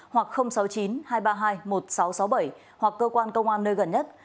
hoặc sáu mươi chín hai trăm ba mươi hai một nghìn sáu trăm sáu mươi bảy hoặc cơ quan công an nơi gần nhất